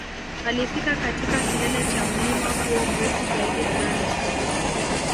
Alifika katika kilele cha mlima huo mrefu zaidi barani Afrika